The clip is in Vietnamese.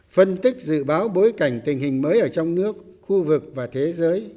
phân tích dự báo bối cảnh tình hình mới ở trong nước khu vực và thế giới